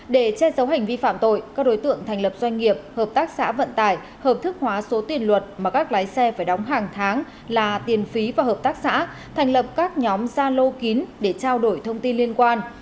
để che giấu hành vi phạm tội các đối tượng thành lập doanh nghiệp hợp tác xã vận tải hợp thức hóa số tiền luật mà các lái xe phải đóng hàng tháng là tiền phí và hợp tác xã thành lập các nhóm gia lô kín để trao đổi thông tin liên quan